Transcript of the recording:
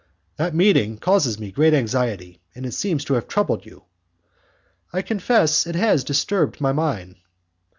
"That meeting causes me great anxiety, and it seems to have troubled you." "I confess it has disturbed my mind."